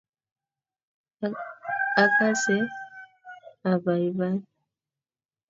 akase abaibai